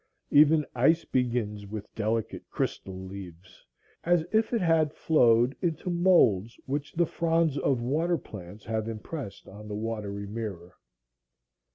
Even ice begins with delicate crystal leaves, as if it had flowed into moulds which the fronds of water plants have impressed on the watery mirror.